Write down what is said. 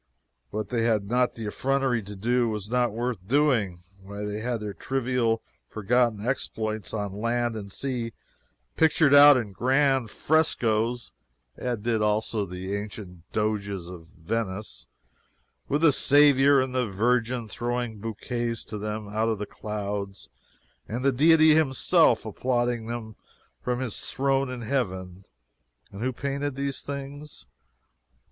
What they had not the effrontery to do, was not worth doing. Why, they had their trivial, forgotten exploits on land and sea pictured out in grand frescoes (as did also the ancient Doges of Venice) with the Saviour and the Virgin throwing bouquets to them out of the clouds, and the Deity himself applauding from his throne in Heaven! And who painted these things?